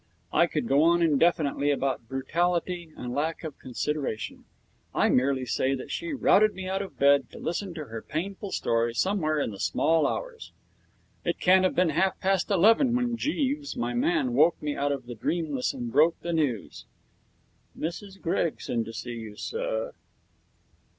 I could go on indefinitely about brutality and lack of consideration. I merely say that she routed me out of bed to listen to her painful story somewhere in the small hours. It can't have been half past eleven when Jeeves, my man, woke me out of the dreamless and broke the news: 'Mrs Gregson to see you, sir.'